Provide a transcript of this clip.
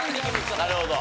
なるほど。